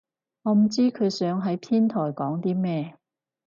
我唔知佢想喺天台講啲咩